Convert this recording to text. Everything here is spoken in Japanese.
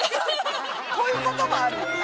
こういうこともあるのね。